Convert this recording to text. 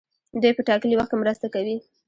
دوی په ټاکلي وخت کې مرسته کوي.